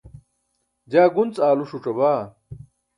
jaa gunc aalu ṣuc̣abaa